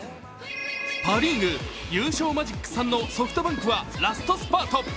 パ・リーグ優勝マジック３のソフトバンクはラストスパート。